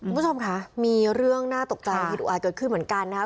ผู้ชมคะมีเรื่องน่าตกใจที่อาจเกิดขึ้นเหมือนกันนะคะ